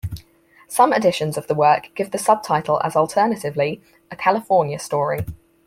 Some editions of the work give the subtitle as alternatively, "A California Story".